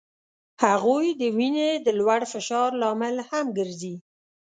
هغوی د وینې د لوړ فشار لامل هم ګرځي.